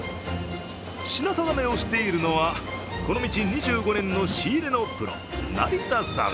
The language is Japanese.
品定めをしているのは、この道２５年の仕入れのプロ・成田さん。